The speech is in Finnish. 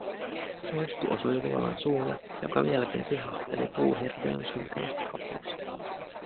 Soihtu osui luolan suulle, joka vieläkin sihahteli puuhirviön sylkemästä haposta.